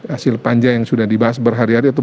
hasil panja yang sudah dibahas berhari hari atau